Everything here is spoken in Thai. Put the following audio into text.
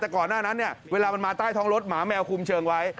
แต่ก่อนหน้านั้นเนี่ยเวลามันมาใต้ท้องรถหมาแมวคุมเชิงไว้